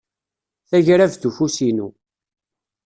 Tagrabt ufus inu.